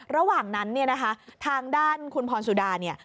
ระหว่างนั้นเนี่ยนะคะทางด้านคุณพรสุดาเนี่ย